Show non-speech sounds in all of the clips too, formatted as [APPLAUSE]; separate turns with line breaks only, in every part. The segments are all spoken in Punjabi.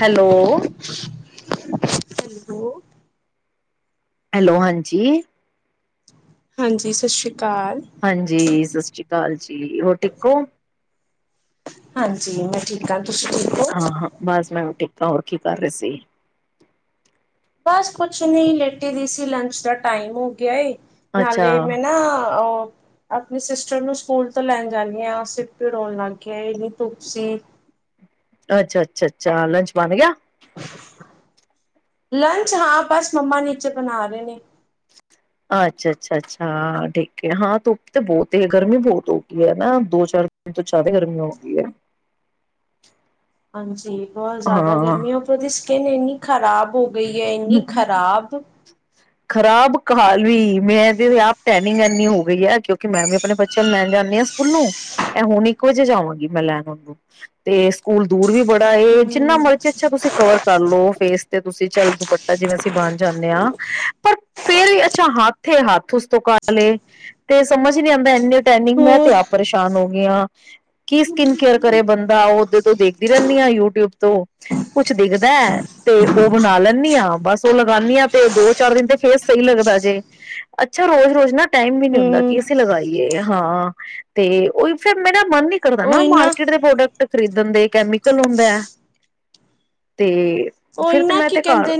ਹੈਲੋ
ਹੈਲੋ
ਹੈਲੋ ਹਾਂਜੀ
ਹਾਂਜੀ ਸਤਿ ਸ੍ਰੀ
ਹਾਂਜੀ ਸਤਿ ਸ੍ਰੀ ਅਕਾਲ ਜੀ ਹੋਰ ਠੀਕ ਹੋ
ਹਾਂਜੀ ਮੈਂ ਠੀਕ ਆ
ਹਾਂ ਹਾਂ ਬਸ ਮੈਂ ਵੀ ਠੀਕ ਹੋਰ ਕੀ ਕਰ ਰਹੇ ਸੀ
ਬਸ ਕੁਛ ਨਹੀਂ ਲੇਟੀ ਦੀ ਸੀ ਲੰਚ ਦਾ ਟਾਈਮ ਹੋ ਗਿਆ ਏ
ਅੱਛਾ
ਨਾਲੇ ਮੈਂ ਨਾ ਓਹ ਆਪਣੇ ਸਿਸਟਰ ਨੂੰ ਸਕੂਲ ਤੋਂ ਲੈਣ ਜਾਂਨੀ ਹਾਂ ਸਿਰ ਪੀੜ ਹੋਣ ਲੱਗ ਗਿਆ ਇੰਨੀ ਧੁੱਪ ਸੀ
ਅੱਛਾ ਅੱਛਾ ਅੱਛਾ ਲੰਚ ਬਣ ਗਿਆ
ਲੰਚ ਹਾਂ ਬਸ ਮੰਮਾ ਨੀਚੇ ਬਣਾ ਰਹੇ ਨੇ
ਅੱਛਾ ਅੱਛਾ ਅੱਛਾ ਠੀਕ ਏ ਹਾਂ ਧੁੱਪ ਤੇ ਬਹੁਤ ਹੈ ਗਰਮੀ ਬਹੁਤ ਹੋ ਗਈ ਹੈ ਨਾ ਦੋ ਚਾਰ ਦਿਨ ਤੋਂ ਜ਼ਿਆਦਾ ਗਰਮੀ ਹੋ ਗਈ ਹੈ
ਹਾਂਜੀ ਬਹੁਤ ਜ਼ਿਆਦਾ ਗਰਮੀ
ਹਾਂ
ਆਂ ਹੈ ਉਪਰੋਂ ਇੰਨੀ ਖਰਾਬ ਹੋ ਗਈ ਹੈ ਇੰਨੀ ਖਰਾਬ
ਖਰਾਬ ਕਾਲ ਵੀ ਮੈਂ ਤੇ ਆਪ ਟੈਨਿੰਗੰ ਐਨੀ ਹੋ ਗਈ ਹੈ ਕਿਉਂ ਕਿ ਮੈਂ ਵੀ ਆਪਣੇ ਬੱਚਿਆਂ ਨੂੰ ਲੈਣ ਜਾਂਦੀ ਹਾਂ ਸਕੂਲੋਂ ਇਹ ਹੁਣ ਇੱਕ ਵਜੇ ਜਾਵਾਂਗੀ ਮੈਂ ਲੈਣ ਆ ਨੂੰ ਤੇ ਸਕੂਲ ਦੂਰ ਵੀ ਬੜੇ ਇਹ ਜਿੰਨਾ
ਹਮ
ਮਰਜ਼ੀ ਅੱਛਾ ਤੁਸੀਂ ਕਵਰ ਕਰ ਲੋ ਫੇਸ ਤੇ ਤੁਸੀਂ ਚੱਲ ਪੱਟਾ ਜਿਵੇਂ ਅਸੀਂ ਬਣ ਜਾਂਦੇ ਹਾਂ, ਪਰ ਫੇਰ ਵੀ ਅੱਛਾ ਹੱਥ-ਹੱਥ ਉਸ ਤੋਂ ਕਲੇ ਤੇ ਸਮਝ ਨੀ ਆਉਂਦਾ ਇਨੀ ਟੈਨਿੰਗ ਮੈਂ
ਹੋਰ
ਤੇ ਆਪ ਪਰੇਸ਼ਾਨ ਹੋ ਗਈ ਆਂ ਕੀ ਸਕਿੰਨ ਕੇਅਰ ਕਰੇ ਬੰਦਾ ਉਹ ਉਓਦੇ ਤੋਂ ਦੇਖਦੀ ਰਹਿੰਦੀ ਹਾਂ ਯੂਟਿਊਬ ਤੋਂ ਕੁਛ ਦਿਖਦਾ ਹੈ ਤੇ ਉਹ ਬਣਾ ਲੈਂਦੀ ਆ ਹਾਂ, ਬਸ ਉਹ ਲਗਾਂਦੀ ਆਾਂ ਤੇ ਦੋ-ਚਾਰ ਦਿਨ ਤੇ ਫੇਸ ਸਹੀ ਲੱਗਦਾ ਜੇ ਅੱਛਾ ਰੋਜ਼-ਰੋਜ਼ ਨਾ ਟਾਈਮ ਵੀ ਨੀ ਹੁੰਦਾ
ਹਮ
ਕੀ ਅਸੀਂ ਲਗਾਈਏ ਹਾਂ ਤੇ ਉਹਹੀ ਫੇਰ ਮੇਰਾ ਮਨ ਨੀ ਕਰਦਾ ਨਾ ਮਾਰਕੀਟ ਦੇ ਪ੍ਰੋਡਕਟ ਖਰੀਦਣ ਦੇ ਕੈਮੀਕਲ ਹੁੰਦਾ ਹੈ ਤੇ ਫੇਰ ਤੇ ਮੈਂ ਤੇ ਘਰ
ਤੇ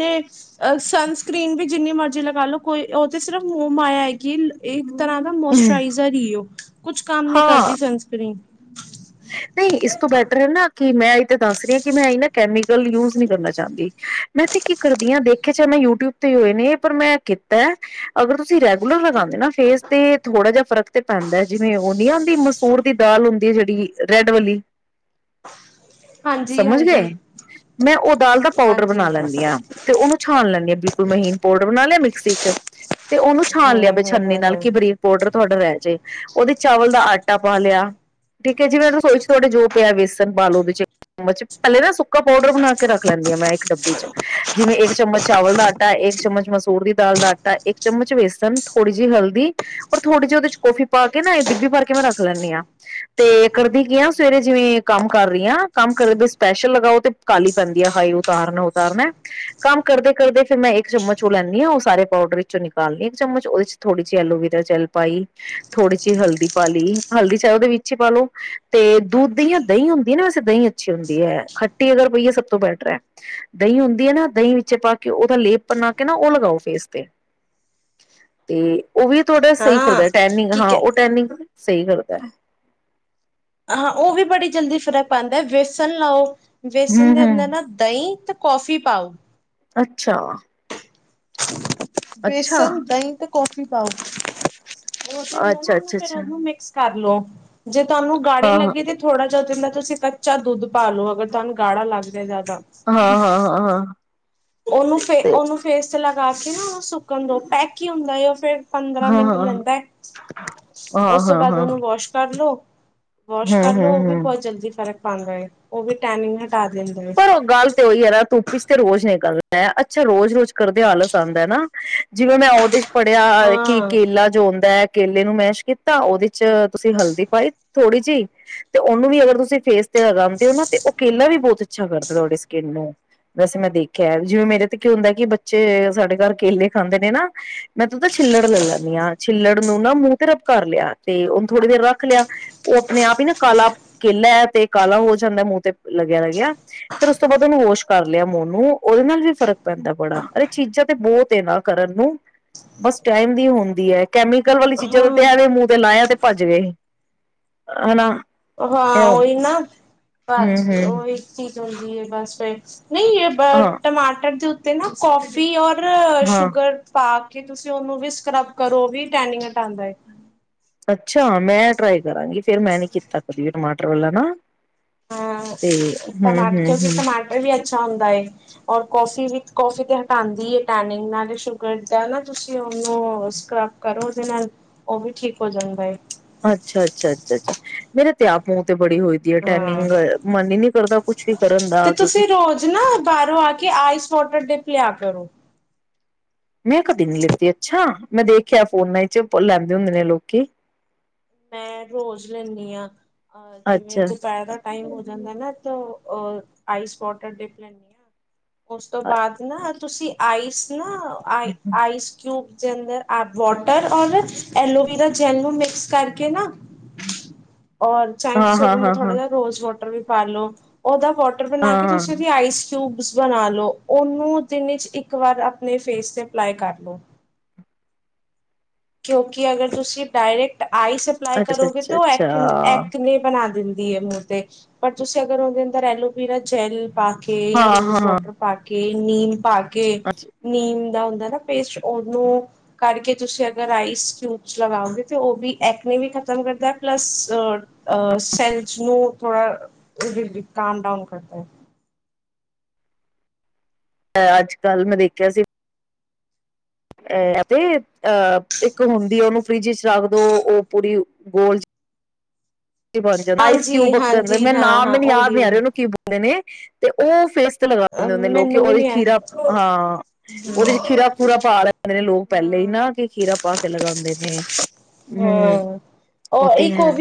ਸਨਸਕਰੀਨ ਵੀ ਜਿੰਨੀ ਮਰਜ਼ੀ ਜੇ ਲਗਾ ਲੋ ਕੋਈ ਉਹ ਤੇ ਸਿਰਫ ਮੋ-ਮਾਇਆ ਹੈਗੀ ਇਹ ਇਕ ਤਰ੍ਹਾਂ ਦਾ ਮੋਸਚਰਾਈਜ਼ਰ ਹੀ ਉਹ। ਕੁਛ ਕੰਮ ਨੀ
ਹਾਂ
ਕਰਦੀ ਸਨਸਕ੍ਰਰੀਨ
ਨਹੀਂ, ਇਸ ਤੋਂ ਬੈਟਰ ਹੈ ਨਾ ਕਿ ਮੈਂ ਇਹ ਤੇ ਦੱਸ ਰਹੀ ਹਾਂ ਕਿ ਮੈਂ ਇਹ ਨਾ ਕੈਮੀਕਲ ਯੂਜ ਨੀ ਕਰਨਾ ਚਾਹੁੰਦੀ, ਮੈਂ ਤੇ ਕੀ ਕਰਦੀ ਹਾਂ, ਦੇਖਿਆ ਚ ਮੈਂ ਯੂਟਿਊਬ ਤੇ ਹੋਏ ਨੇ ਪਰ ਮੈਂ ਕੀਤਾ ਅਗਰ ਤੁਸੀਂ ਰੈਗੂਲਰ ਲਗਾਦੇ ਨਾ ਫੇਸ ਤੇ ਥੋੜਾ ਜਿਹਾ ਫਰਕ ਤੇ ਪੈਂਦਾ ਜਿਵੇਂ ਉਹ ਨ ਆਉਂਦੀ ਮਸੂਰ ਦੀ ਦਾਲ ਹੁੰਦੀ ਜਿਹੜੀ ਰੈਡ ਵਾਲੀ।
ਹਾਂਜੀ
ਸਮਝ
ਹਾਂਜੀ
ਗਏ, ਮੈਂ ਉਹ ਦਾਲ ਦਾ ਪਾਊਡਰ
ਹਾਂਜੀ
ਬਣਾ
ਹੂੰ
ਲੈਂਦੀ ਹਾਂ ਤੇ ਉਹਨੂੰ ਛਾਣ ਲੈਂਦੀ ਹਾਂ, ਬਿਲਕੁਲ ਮਹੀਨ ਪਾਊਡਰ ਬਣਾ ਲਿਆ ਫਿਚਰ ਤੇ ਉਹਨੂੰ ਛਾਣ ਲਿਆ
ਹੂੰ
ਛਛਨੀ
ਹੂੰ
ਨਾਲ
ਹੂੰ
ਕਿ ਬਰੀਕ ਪਾਊਡਰ ਥੋੜਾ ਰਹਿ ਜੇ ਉਹਦੇ ਚਾਵਲ ਦਾ ਆਟਾ ਪਾ ਲਿਆ ਜਿਵੇਂ ਰਸੋਈ ਚ ਤੁਹਾਡੇ ਜੋ ਪਿਆ ਵੇਸਨ ਪਾ ਲਾਉ ਉਹਦੇ ਚ ਚਮਚ, ਪਹਿਲੇ ਨਾ ਸੁੱਕਾ ਪਾਊਡਰ ਬਣਾ ਕੇ ਰੱਖ ਲੈਂਦੀ ਹਾਂ, ਮੈਂ ਇੱਕ ਡੱਬੀ ਚ ਜਿਵੇਂ ਇੱਕ ਚਮਚ ਚਾਵਲ ਦਾ ਆਟਾ, ਇੱਕ ਚਮਚ ਮਸੂਰ ਦੀ ਦਾਲ ਦਾ ਆਟਾ, ਇੱਕ ਚਮਚ ਵੇਸਨ, ਥੋੜੀ ਜਿਹੀ ਹਲਦੀ ਔਰ ਥੋੜੀ ਜਿਹੀ ਉਹਦੇ ਚ ਕੋਫੀ ਪਾ ਕੇ ਨਾ ਡਿੱਬੀ ਪਾ ਕੇ ਮੈਂ ਰੱਖ ਲੈਂਦੀ ਹਾਂ। ਤੇ ਕਰਦੀ ਕੀ ਆ, ਸਵੇਰੇ ਜਿਵੇਂ ਕੰਮ ਕਰ ਰਹੀ ਹਾਂ, ਕੰਮ ਕਰਦੇ ਸਪੈਸ਼ਲ ਲਗਾਉ ਤੇ ਕਾਲੀ ਪੈਂਦੀ ਆ ਹਾਈ ਉਤਾਰਨਾ- ਉਤਾਰਨਾ ਕੰਮ ਕਰਦੇ ਕਰਦੇ ਫੇਰ ਮੈਂ ਇੱਕ ਚਮਚ ਉਹ ਲੈਂਦੀ ਹਾਂ, ਉਹ ਸਾਰੇ ਪਾਊਡਰ ਵਿੱਚੋਂ ਨਿਕਾਲਣੀ ਇੱਕ ਚਮਚ ਉਹਦੇ ਚ ਥੋੜ੍ਹੀ ਜਿਹੀ ਐਲੋਵਰਾ ਜੈਲ ਪਾਈ, ਥੋੜ੍ਹੀ ਜਿਹੀ ਹਲਦੀ ਪਾ ਲਈ, ਹਲਦੀ ਚ ਉਹਦੇ ਵਿੱਚ ਪਿੱਛ ਪਾ ਲਓ ਤੇ ਦੁੱਧ ਦੀ ਦਹੀਂ ਹੁੰਦੀ ਹੈ, ਨਾ ਵੈਸੇ ਦਹੀਂ ਅੱਛੀ ਹੁੰਦੀ ਹੈ, ਖੱਟੀ ਅਗਰ ਪਈਏ ਸਭ ਤੋਂ ਬੈਟਰ ਹੈ ਦਹੀਂ ਹੁੰਦੀ ਹੈ ਨਾ ਦਹੀਂ ਵਿੱਚ ਪਾ ਕੇ ਉਹਦਾ ਲੇਪ ਬਣਾ ਕੇ ਨਾ ਉਹ ਲਗਾਓ ਫੇਸ ਤੇ ਤੇ ਉਹ ਵੀ ਥੋੜਾ ਸਹੀ
ਹਾਂ
ਕਰਦਾ ਟੈਨਿੰਗ
ਕੀ
ਹਾਂ,
ਕ
ਉਹ ਟੈਨਿੰਗ ਸਹੀ ਕਰਦਾ।
ਹਾਂ ਉਹ ਵੀ ਬੜੀ ਜਲਦੀ ਫ਼ਰਕ ਪੈਂਂਦਾ ਬੇਸਣ ਲਾਉ। ਵੇਸਣ
ਹੂੰ
ਦੇ
ਹੂੰ
ਅੰਦਰ ਨਾ ਦਹੀਂ ਤੇ ਕੌਫੀ ਪਾਓ।
ਅੱਛਾ। ਅੱਛਾ,
ਵੇਸਨ, ਦਹੀਂ ਤੇ ਕੌਫੀ ਪਾਓ। ਉਹ ਦੇ ਹੁੰਦਾ ਨਾ,
ਅੱਛਾ,
ਉਹਨੂੰ
ਅੱਛਾ,
ਫੇਰ
ਅੱਛਾ
ਉਹਨੂੰ ਮਿਕਸ ਕਰਲੋ। ਜੇ ਤੁਹਾਨੂੰ ਗਾੜੀ
ਹਾਂ,
ਲੱਗੇ ਤੇ ਥੋੜਾ ਉਹਦੇ ਚ ਤੁਸੀਂ ਕੱਚਾ ਦੁੱਧ ਪਾਲੋ, ਅਗਰ ਤੁਹਾਨੂੰ ਗਾੜਾ ਲੱਗਦਾ ਜਿਆਦਾ।
ਹਾਂ-ਹਾਂ-ਹਾਂ-ਹਾਂ।
ਉਹਨੂੰ ਫੇਰ ਉਹਨੂੰ ਫੇਸ ਮੂੰਹ ਤੇ ਲਗਾ ਕੇ ਨਾ ਉਹ ਸੁੱਕਣ ਦੋ, ਪੈਕ ਹੀ ਹੁੰਦਾ ਉਹ ਫੇਰ। ਪੰਦਰਾਂ
ਹਾਂ,
ਮਿੰਟ
ਹਾਂ,
ਲੈਂਦਾ, ਉਸ ਤੋਂ
ਹਾਂ, ਹਾਂ, ਹਾਂ,
ਬਾਅਦ ਉਹਨੂੰ ਵਾਸ਼ ਕਰਲੋ। ਵਾਸ਼
ਹਾਂ, ਹੂੰ,
ਕਰ ਲਉ,
ਹੂੰ,
ਉਹ ਵੀ
ਹੂੰ।
ਬਹੁਤ ਜਲਦੀ ਫਰਕ ਪਾਉਂਦਾ ਐ, ਉਹ ਵੀ ਟੈਨਿੰਗ ਹਟਾ ਦਿੰਦਾ ਹੈ।
ਪਰ ਉਹ ਗੱਲ ਤੇ ਉਹੀ ਐਨਾ ਧੁੱਪ ਇਚ ਤੇ ਰੋਜ਼ ਨਿਕਲਣਾ ਮੈਂ ਅੱਛਾ ਰੋਜ਼-ਰੋਜ਼ ਕਰਦੇ ਆਲਸ ਆਂਦਾ ਐਨਾ ਜਿਵੇਂ ਮੈਂ ਉਹਦੇ ਚ ਪੜ੍ਹਿਆ ਕਿ
ਹਾਂ
ਕੇਲਾ ਜੋ ਹੁੰਦਾ ਐ। ਕੇਲੇ ਨੂੰ ਮੈਸ਼ ਕੀਤਾ ਉਹਦੇ ਚ ਤੁਸੀਂ ਹਲਦੀ ਪਾਈ ਥੋੜ੍ਹੀ ਜਿਹੀ ਤੇ ਉਹਨੂੰ ਵੀ ਅਗਰ ਤੁਸੀਂ ਫੇਸ ਤੇ ਲਗਾਉਂਦੇ ਔਨਾ ਤੇ ਉਹ ਕੇਲਾ ਵੀ ਬਹੁਤ ਅੱਛਾ ਕਰਦਾ ਤੁਆਡੀ ਸਕਿੰਨ ਨੂੰ, ਵੈਸੇ ਮੈਂ ਦੇਖਿਆ ਜਿਵੇਂ ਮੇਰੇ ਤੇ ਕੀ ਹੁੰਦਾ ਕਿ ਬੱਚੇ ਸਾਡੇ ਘਰ ਕੇਲੇ ਖਾਂਦੇ ਨੇ ਨਾਂ, ਮੈਂ ਤੂੰ ਤਾਂ ਛਿੱਲੜ ਲੈ ਲੈਂਦੀ ਹਾਂ ਛਲੜ ਨੂੰ ਨਾ ਮੂੰਹ ਤੇ ਰੱਬ ਕਰ ਲਿਆ ਤੇ ਉਹਨੂੰ ਥੋੜੀ ਦੇਰ ਰੱਖ ਲਿਆ ਉਹ ਆਪਣੇ ਆਪ ਹੀ ਨਾ ਕਾਲਾ ਕੇਲਾ ਹੈ ਤੇ ਕਾਲਾ ਹੋ ਜਾਂਦਾ ਮੂੰਹ ਤੇ ਲੱਗਿਆ ਲੱਗਿਆ। ਫੇਰ ਉਸ ਤੋਂ ਬਾਅਦ ਉਹਨੂੰ ਵਾਸ਼ ਕਰ ਲਿਆ ਮੂੰਹ ਨੂੰ ਉਹਦੇ ਨਾਲ ਵੀ ਫਰਕ ਪੈਂਦਾ, ਬੜਾ ਅਰੇ ਚੀਜ਼ਾਂ ਤੇ ਬੋਤ ਐਨਾ ਕਰਨ ਨੂੰ ਬਸ ਟਾਈਮ ਦੀ ਹੁੰਦੀ ਐ, ਕੈਮੀਕਲ ਵਾਲੀ ਚੀਜ਼ਾਂ ਦਾ ਤੇ
ਹਾਂ
ਇਹ ਮੂੰਹ ਤੇ ਲਾਇਆ ਤੇ ਭੱਜ ਗਏ ਹੈ ਨਾ।
ਹਾਂ ਉਹੀ ਨਾ ਬਸ
ਹੂੰ
ਉਹੀ ਚੀਜ਼ ਹੁੰਦੀ। ਜ ਬਸ ਫਿਰ ਨ੍ਹੀਂ ਇਹ ਬ
ਹਾਂ
ਟਮਾਟਰ ਦੇ ਉ ਤੇ ਨਾ ਕੌਫੀ ਔਰ
ਹਾਂ
ਸ਼ੂਗਰ ਪਾ ਕੀ ਤੁਸੀਂ ਉਹਨੂੰ ਵੀ ਸਕ੍ਰੱਬ ਕਰੋ ਵੀ ਟੇਨਿਂਗ ਹਟਾਂਦਾ ਐ।
ਅੱਛਾ ਮੈਂ ਟਰਾਈ ਕਰਾਂਗੀ ਫੇਰ ਮੈਂ ਨੀ ਕੀਤਾ ਕਦੀ ਟਮਾਟਰ ਵਾਲਾ ਨਾ।
ਹਾਂ
ਤੇ ਹੂੰ
ਟਮਾਟਰ
ਹੂੰ
ਕਿਉਂਕਿ
ਹੂੰ
ਟਮਾਟਰ ਵੀ ਅ ਅੱਛਾ ਹੁੰਦਾ ਐ। ਔਰ ਕੌਫੀ ਵੀ ਕੌਫੀ ਤੇ ਆਂਦੀ ਐ, ਟੈਨਿੰਗ ਨਾਲ ਸ਼ੂਗਰ ਦਾ ਨਾ ਤੁਸੀਂ ਉਹਨੂੰ ਸਕਰੱਬ ਕਰੋ ਉਹਦੇ ਨਾਲ ਉਹ ਵੀ ਠੀਕ ਹੋ ਜਾਂਦਾ।
ਅੱਛਾ ਅੱਛਾ ਅੱਛਾ ਅੱਛਾ ਮੇਰਾ ਤੇ ਆਪ ਮੁ ਬੜੀ ਹੋਈ ਦੀ ਐ,
ਹਾਂ
ਟੈਨਿੰਗ ਮਨ ਈ ਨੀਂ ਕਰਦਾ ਕੁਛ ਵੀ ਕਰਨ ਦਾ
ਤੇ
ਕਿਉਂਕਿ
ਤੁਸੀਂ ਰੋਜ਼ ਕਿਆ ਕਰੋ
ਮੈਂ ਕਦੇ ਨਹੀਂ ਲੈਤੀ ਅੱਛਾ ਮੈਂ ਦੇਖਿਆ ਫੋਨਾਂ ਚ ਲੈਂਦੇ ਹੁੰਦੇ ਨੇ ਲੋਕੀ
ਮੈਂ ਰੋਜ਼ ਲੈਂਦੀ ਆਂ, ਅਹ ਜਿਵੇਂ
ਅੱਛਾ
ਦੁਪਹਿਰ ਟਾਈਮ ਹੋ ਜਾਂਦਾ ਨਾ ਤੋ ਆਈਸ ਵਾਟਰ ਡਿਪ ਲੈਂਦੀ ਆਂ। ਉਸ ਤੋਂ ਬਾਅਦ ਨਾ ਤੁਸੀਂ ਆਈਸ ਨਾ ਆਈ ਆਈਸ ਕਿਊਬ ਅੰਦਰ ਵਾਟਰ ਔਰ ਕੇ ਐਲੋਵਰਾ ਜ਼ੈਲ ਨੂੰ ਮਿਕਸ ਕਰ ਕੇ ਨਾ
ਹਾਂ
ਔਰ ਚਾਹੇ ਤੁਸੀਂ
ਹਾਂ
ਇਹਦੇ ਅੰਦਰ
ਹਾਂ
ਥੋੜਾ
ਹਾਂ
ਜਿਹਾ ਰੋਜ਼ ਵਾਟਰ ਵੀ ਪਾਲੋ ਉਹਦਾ ਵਾਟਰ ਬਣਾ ਕੇ
ਹਾਂ
ਤੁਸੀਂ ਵੀ ਆਈਸ ਕਿਊਬ ਬਣਾ ਲਓ, ਉਹਨੂੰ ਦਿਨ ਵਿੱਚ ਇੱਕ ਵਾਰ ਆਪਣੇ ਫੇਸ ਤੇ ਅਪਲਾਈ ਕਰ ਲਓ। ਕਿਉਂਕਿ ਅਗਰ ਤੁਸੀਂ ਡਾਇਰੈਕਟ ਆਈ ਸਪਲਾਈ
ਅੱਛਾ
ਕਰੋਗੇ
ਅੱਛਾ
ਤੋ ਐ
ਅੱਛਾ
ਐਕ ਨੇ ਬਣਾ ਦਿੰਦੇ ਕੀ ਹੈ ਮੂੰਹ ਤੇ ਪਰ ਤੁਸੀਂ ਅਗਰ ਉਸਦੇ ਅੰਦਰ ਏਲੋ ਵੀਰੲ ਜੈਲ ਪਾ ਕੇ
ਹਾਂ
ਜਾਂ ਰੋਜ਼
ਹਾਂ
ਵਾਟਰ ਪਾ ਕੇ ਨੀਮ ਪਾਕੇ
ਅੱ
ਕੇ ਨੀਮ ਦਾ ਹੁੰਦਾ ਪੇਸਟ ਉਹਨੂੰ ਕਰਕੇ ਤੁਸੀਂ ਅ ਊ ਆਈਸ ਕਯੂਬ ਲਗਾਓਗੇ ਉਹਵੀ ਇਕਨੇ ਵੀ ਖਤਮ ਕਰਦਾ ਪਲਸ ਸੈਨਜ ਨੂੰ ਥੋੜਾ ਕਮ ਡਾਊਨ ਕਰਦਾ।
ਅੱਜ ਕੱਲ੍ਹ ਮੈਂ ਦੇਖਿਆ ਸੀ। ਏਤੇ ਅਹ ਇੱਕ ਹੁੰਦੀ ਉਹਨੂੰ ਫਰਿਜ ਵਿੱਚ ਰੱਖ ਦੋ ਉਹ ਪੂਰੀ ਗੋਲ ਬਣ ਜਾਂਦਾ ਆਇਸਕਿਊਬ
ਹਾਂਜੀ
ਵਕਣ
ਹਾਂਜੀ
ਮ
ਹਾਂ
ਨਾਮ
ਹਾਂ
ਮੈਨੂੰ ਯਾਦ
ਉਹੀ
ਨਹੀਂ ਆ ਰਿਹਾ
ਉਹੀ
ਉਹਨੂੰ ਕਿ ਬੋਲਦੇ ਨੇ। ਤੇ ਉਹ ਫੇਸ ਤੇ ਲਗਾਦੇ ਹੁੰਦੇ ਨੇ ਲੋਕ
ਮੈਨੂੰ ਵੀ
ਉਹਦੇ ਚ
ਨੀ ਹੈ
ਖੀਰਾ ਹਾਂ ਉਹਦੇ ਚ ਖੀਰਾ-ਖੂਰਾ ਪਾ ਲੈਦੇ ਨੇ ਲੋਕ ਪਹਿਲੇ ਹੀ
ਹਾਂ
ਨਾ ਕਿ ਖੀਰਾ ਪਾ ਕੇ ਲਗਾਉਂਦੇ ਨੇ, ਹੂੰ
ਹਾਂ
ਉਹ ਤੇ ਹੈ।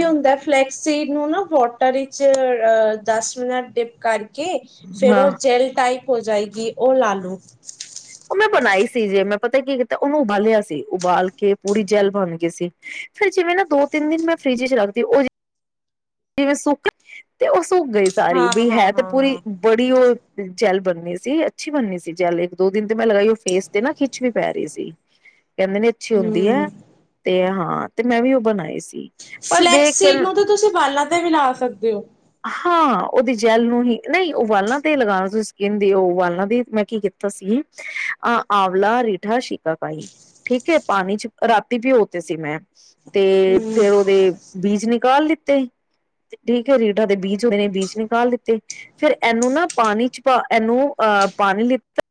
ਸੇਗ ਨੂੰ ਵਾਟਰ ਵਿੱਚ ਅਹ ਦਸ ਮਿੰਟ ਡੀਪ ਕਰਕੇ ਕੇ ਫੇਰ
ਹਾਂ
ਉਹ ਟਾਈਪ ਹੋ ਜਾਏਗੀ ਉਹ ਲਾਲੋ।
ਉਹ ਮੈਂ ਬਣਾਈ ਸੀ ਜੇ ਮੈਂ ਪਤਾ ਕੀ ਕੀਤਾ ਉਹਨੂੰ ਉਬਾਲਿਆ ਸੀ ਉਬਾਲ ਕੇ ਪੂਰੀ ਜੈਲ ਬਣ ਗਈ ਸੀ ਫੇਿਰ ਜਿਵੇਂ ਨਾ ਦੋ- ਤਿੰਨ ਦਿਨ ਮੈਂ ਫਰਿਜ ਵਿੱਚ ਰੱਖਦੀ ਉਹ ਜਿਵੇਂ ਸੁੱਕ ਤੇ ਉਸ ਸੁੱਕ ਗਈ ਸਾਰੀ
ਹਾਂ
ਬਈ
ਹਾਂ
ਹੈ ਤੇ
ਹਾਂ
ਪੂਰੀ
ਹਾਂ।
ਬੜੀ ਉਹ ਜੈਲ ਬਣਨੀ ਸੀ ਅੱਛੀ ਬਣਨੀ ਸੀ, ਜੈਲ ਇੱਕ ਦੋ-ਦਿਨ ਤੇ ਮੈਂ ਲਗਾਈ ਉਹ ਫੇਸ ਤੇ ਨਾ ਖਿੱਚ ਵੀ ਪੈ ਰਹੀ ਸੀ। ਕਹਿੰਦੇ ਨੇ, ਅੱਛੀ ਹੁੰਦੀ ਹੈ
ਹੂੰ
ਤੇ ਹਾਂ। ਤੇ ਮੈਂ ਵੀ ਉਹ ਬਣਾਏ ਸੀ। ਬਸ
ਫਲੈਕਸ
ਦੇਖ ਕੇ
ਸੀਟ ਨੂੰ ਤਾਂ ਤੁਸੀਂ ਵਾਲਾ ਵੀ ਲਾ ਸਕਦੇ ਹੋ।
ਹਾਂ, ਉਹਦੀ ਜੈਲ ਨੂੰ ਹੀ ਨਹੀਂ ਉਹ ਵਾਲਾਂ ਤੇ ਲਗਾਉਣਾ ਸੀ ਸਕਿੰਨ ਦੀ ਉਹ ਵਾਲਾਂ ਦੀ ਮੈਂ ਕੀ ਕੀਤਾ ਸੀ ਅਹ ਆਂਵਲਾ, ਰੀਠਾ, ਸ਼ਿਕਕਾਈ ਠੀਕ ਹੈ, ਪਾਣੀ ਚ ਰਾਤੀ ਭਿਓ ਤੇ ਸੀ ਮੈਂ। ਤੇ
ਹੂੰ।
ਫੇਰ ਉਹਦੇ ਬੀਜ ਨਿ ਕਲ ਲਿੱਤੇ ਠੀਕ ਹੈ ਰੀ ਏਹਦੇ ਬੀਜ ਹੁਦੇ ਨੇ ਬੀਜ ਨਿਕਾਲ ਦਿੱਤੇ ਫੇਿਰ ਇਹਨੂੰ ਨਾ ਪਾਣੀ ਚ ਪਾ ਇਹਨੂੰ ਅਹ ਪਾਣੀ ਲਿੱਤਾ।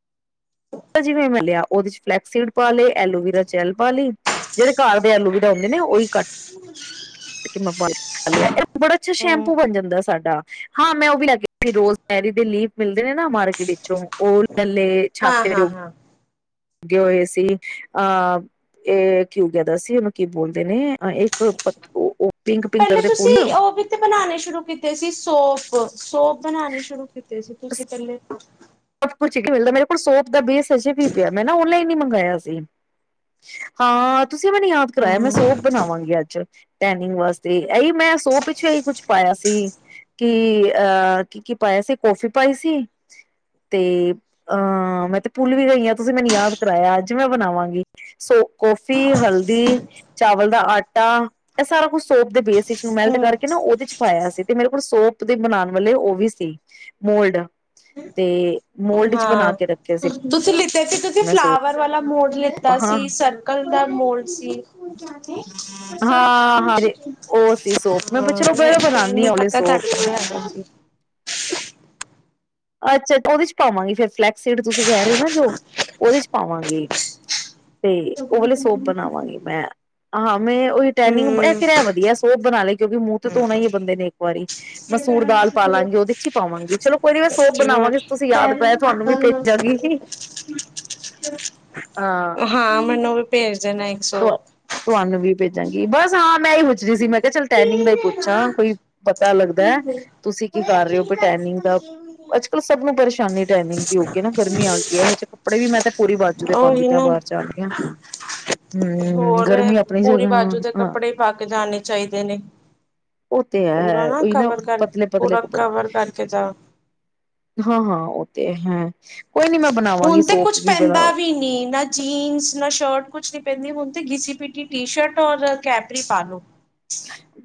ਜਿਵੇਂ ਮਿਲਿਆ ਉਹਦੇ ਚ ਫਲੈਕਸੀਡ ਪਾਲੇ, ਐਲੋਵਰਾ ਜੈਲ ਪਾ ਲਈ, ਜਿਹੜੇ ਘਰ ਦੇ ਐਲੋਵਰਾ ਹੁੰਦੇ ਨੇ ਉਹੀ ਕੱਟ ਮੈਂ ਪਾ ਲਿਆ, ਬੜਾ ਅੱਛਾ ਸ਼ੈਂਪੂ ਬਣ ਜਾਂਦਾ ਸਾਡਾ ਹਾਂ ਮੈਂ ਉਹ ਵੀ ਲੈਕੇ ਆਈ ਸੀ ਰੋਜ਼ ਮੈਰੀ ਦੇ ਲੀਫ ਮਿਲਦੇ ਨੇ ਨਾ ਮਾਰਕੀਟ ਵਿੱਚੋਂ ਉਹ ਗੱਲੇ ਛਾਪ
ਹਾਂ-ਹਾਂ।
ਜੋ ਇਹ ਸੀ ਅਹ ਇਹ ਕਿਉਬ ਸੀ, ਉਹਨੂੰ ਕੀ ਬੋਲਦੇ ਨੇ ਇੱਕ ਪਿੰਕ ਪਿੰਕ ਕਲਰ
ਪਹਿਲੇ
ਦੇ
ਤੁਸੀਂ
ਫੁੱਲ
ਉਹ ਵੀ ਤੇ ਬਣਾਣੇ ਸ਼ੁਰੂ ਕੀਤੇ ਸੀ ਸੋਫ ਸੋਪ ਬਣਾਉਣੇ ਸ਼ੁਰੂ ਕੀਤੀ ਸੀ ਤੁਸੀਂ ਪਹਿਲੇ
ਮਿਲਦਾ ਮੇਰੇ ਕੋਲ ਸੋਪ ਦਾ ਬੇਸ ਅਜੇ ਵੀ ਪਿਆ ਮੈਂ ਨਾ ਓਨਲਾਈਨ ਹੀ ਮੰਗਵਾਆ ਸੀ, ਹਾਂ ਤੁਸੀਂ ਮੈਂਨੂੰ ਯਾਦ ਕਰਾਈਆ ਮੈਂ
ਹੂੰ
ਸੋਪ ਬਣਾਵਾਂਗੀ ਅੱਜ ਟੈਨਿੰਗ ਵਾਸਤੇ ਇਹੀ ਮੈਂ ਸੋਪ ਵਿਚ ਵੀ ਇਹ ਕੁੱਛ ਪਾਇਆ ਸੀ ਕਿ ਅਹ ਕੀ- ਕੀ ਪਾਇਆ ਸੀ ਕੋਫੀ ਪਾਈ ਸੀ ਤੇ ਆਹ ਮੈਂ ਤੇ ਭੁੱਲ ਵੀ ਗਈ ਆ, ਤੁਸੀਂ ਮੈਨੂੰ ਯਾਦ ਕਰਾਇਆ ਅੱਜ ਮੈਂ ਬਨਾਵਾਂਗੀ ਸੋ ਕੌਫੀ, ਹਲਦੀ, ਚਾਵਲ ਦਾ ਆਟਾ, ਇਹ ਸਾਰਾ ਕੁਛ ਸੋਪ ਦੇ ਬੇਸ ਵਿਚ ਮੈਲਟ
ਹੂੰ।
ਕਰਕੇ ਨਾ ਉਹਦੇ ਚ ਪਾਇਆ ਸੀ ਤੇ ਮੇਰੇ ਕੋਲ ਸੋਪ ਦੇ ਬਣਾਉਣ ਵਾਲੇ ਵੀ ਸੀ ਮੋਲਡ ਤੇ ਮੋਲਡ ਚ ਬਣਾ
ਹਾਂ,
ਕੇ ਰੱਖੇ ਸੀ
ਤੁਸੀਂ ਲਿਤੇ ਸੀ ਤੁਸੀਂ
ਮੈਂ ਸੋਪ
ਫਲਾਵਰ ਵਾਲਾ ਮੋਲਡ ਲਿੱਤਾ ਸੀ,
ਹਾਂ
ਸਰਕਲ ਦਾ ਮੋਲਡ ਸੀ। ਹੋ [INAUDIBLE]
ਹਾਂ ਹਾਂ ਉਹ ਸੀ ਸੋਪ ਮੈਂ
ਹਾਂ
ਚਲੋ
ਮ
ਬ ਬਣਾਉਦੀ ਆ
ਮੈਨੂੰ
ਓਲੇ
ਪਤਾ
ਸੋਪ
ਤੁਹਾਡੇ ਕੋਲ ਹੈਗਾ।
ਅੱਛਾ ਉਹਦੇ ਚ ਪਾਵਾਂਗੀ ਫਲੈਕਸੀਡ, ਤੁਸੀ ਕਹਿ ਰਹੇ ਹੋ ਨਾ ਜੋ ਉਹਦੇ ਚ ਪਾਵਾਂਗੀ ਤੇ ਉਹ ਵਾਲੇ ਸੋਪ ਬਣਾਵਾਂਗੀ, ਮੈਂ ਹ ਮੈਂ ਉਹੀ ਟਨਿੰਗ ਫਿਰ ਇਹ ਵਧੀਆ ਸੋਪ ਬਣਾ ਲੈ ਕਿਉਂਕਿ ਮ ਧੋਣਾ ਹੀ ਆ, ਬੰਦੇ ਨੇ ਇੱਕ ਵਾਰੀ ਮਸੂਰ ਦਾਲ ਪਾਲਾਂਗੇ, ਉਹਦੇ ਚ ਹੀ ਪਾਵਾਂਗੇ। ਚਲੋ ਕੋਈ ਨੀ ਸੋਪ ਬਣਾਵਾਂਗੀ ਤੁਸੀਂ ਯਾਦ ਕਰਾਇਆ ਤੁਹਾਨੂੰ ਵੀ ਭੇਜਾਂਗੀ
ਹਾਂ ਮੈਨੂੰ ਵੀ ਭੇਜ ਦੇਣਾ ਇੱਕ ਸੋਪ
ਤੁ ਤੁਹਾਨੂੰ ਵੀ
-
ਭੇਜਾਂਗੀ ਬਸ ਹਾਂ ਮੈਂ ਇਹ ਹੀ ਪੁੱਛ ਰਿਹੀ ਸੀ। ਕ ਚੱਲ ਟੈਨਿੰਗ ਦਾ ਹੀ ਪੁੱਛਾਂ ਕੋਈ ਪਤਾ ਲੱਗਦਾ ਤੁਸੀਂ ਕੀ ਕਰ ਰਹੇ ਹੋ ਕੋਈ ਟੈਨਿੰਗ ਦਾ ਅੱਜ ਕੱਲ ਸਭ ਨੂੰ ਪਰੇਸ਼ਾਨੀ ਟੈਨਿੰਗ ਦੀ ਹੋ ਗਈ ਆ, ਨਾ ਗਰਮੀ ਆ ਗਈ ਹੈ ਹ ਕੱਪੜੇ ਵੀ ਮੈਂ ਤਾਂ ਪੂਰੀ ਬਾਜੂ ਦੇ ਪਾਉਂਦੀ
ਉਹੀ
ਪਿਆ
ਨਾ
ਬਾਹਰ ਜਾਣ ਲਗਿਆ। ਹਮ
ਹੋਰ
ਗਰਮੀ ਆਪਣੀ
ਪੂਰੀ ਬਾਜੂ ਦੇ
ਜਗ੍ਹਾ
ਕੱਪੜੇ ਪਾ ਕੇ ਜਾਣੇ ਚਾਹੀਦੇ ਨੇ
ਤੇ ਆ,
ਪੂਰਾ
ਉਹੀ ਨਾ
ਕਵਰ ਕਰ
ਪਤਲੇ -ਪਤਲੇ
ਪੂਰਾ
ਕੱਪੜੇ
ਕਵਰ ਕਰਕੇ ਜਾਓ
ਹਾਂ- ਹਾਂ, ਉਹ ਤੇ ਹੈ। ਕੋਈ ਨੀ ਮੈਂ ਬਣਾਵਾਂਗੀ
ਹੁਣ ਤੇ
ਸੋਪ
ਕੁਛ
ਵੀ ਬਣਾ
ਪੈਂਦਾ ਵੀ ਨੀ, ਨਾ ਜੀਨਸ ਨਾ ਸ਼ਰਟ ਕੁਛ ਨੀ ਪੈਂਦੀ ਹੁਣ ਘੀਸੀ- ਪੀਟੀ ਟੀ -ਸ਼ਰਟ ਔਰ ਕੈਪਰੀ ਪਾ ਲੋ।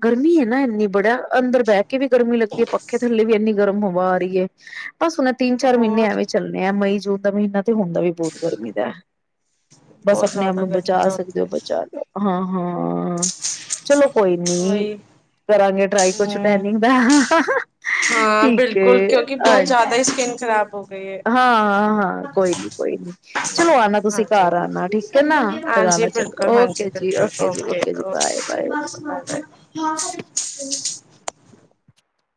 ਗਰਮੀ ਹੈ ਨਾ ਨੀਬੜੀਆ ਅੰਦਰ ਬੈ ਵੀ ਗਰਮੀ ਲੱਗਦੀ ਹੈ, ਪੱਖੇ ਥੱਲੇ ਵੀ ਇੰਨੀ ਗਰਮ ਹਵਾ ਆ ਰਹੀ ਹੈ ਬਸ ਹੁਣ ਇਹ, ਤਿੰਨ -ਚਾਰ ਮਹੀਨੇ
ਹੋਰ
ਐਵੇਂ ਚੱਲਣੇ ਆ ਮਈ- ਜੂਨ ਦਾ ਮਹੀਨਾ ਤੇ ਹੁੰਦਾ ਵੀ ਬਹੁਤ ਗਰਮੀ ਦਾ। ਬਸ
ਬਹੁਤ
ਆਪਣੇ ਆਪ
ਜ਼ਿਆਦਾ
ਨੂੰ
ਗਰਮੀ
ਬਚਾ
ਦਾ
ਸਕਦੇ
ਹੁੰਦਾ
ਹੋ,
ਹੈ
ਬਚਾ ਲਓ, ਹਾਂ। ਹਾਂ ਚਲੋ ਕੋਈ ਨੀ
ਉਹੀ
ਕਰਾਂਗੇ ਟਰਾਈ ਕੁਛ
ਹਮ
ਟੈਨਿੰਗ ਦਾ
ਹਾਂ,
ਠੀਕ ਹੈ
ਬਿਲਕੁਲ ਕਿਉਂਕਿ ਬਹੁਤ
ਹਾਂਜੀ
ਜ਼ਿਆਦਾ ਸਕਿਨ ਖਰਾਬ ਹੋ
ਹਾਂ-ਹਾਂ-ਹਾਂ
ਆ,
ਕੋਈ ਨੀ ਕੋਈ ਨੀ ਚਲੋ ਆਣਾ ਤੁਸੀਂ
ਹਾਂਜੀ
ਘਰ ਆਣਾ ਠੀਕ ਹੈ ਨਾ
ਹਾਂਜੀ
ਲਗਾਣਾ ਚੱਕਰ
ਬਿਲਕੁਲ ਹਾਂਜੀ
ਓਕੇ ਜੀ
ਬਿਲਕੁਲ,
ਜੀ
ਓਕੇ
ਜੀ
ਓਕੇ
ਬਾਏ-ਬਾਏ।
Bye bye.